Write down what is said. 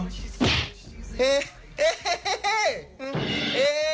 เฮ